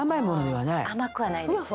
甘くはないです。